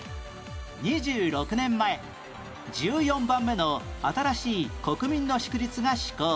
２６年前１４番目の新しい国民の祝日が施行